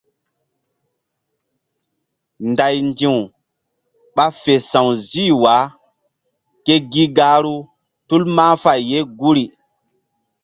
Nday ndi̧w ɓa fe sa̧w zih wa ke gi gahru tul mahfay ye guri.